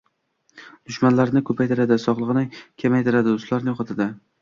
dushmanlarini ko’paytiradi, sog’lig’ini kamaytiradi, do’stlarini yo’qotadi…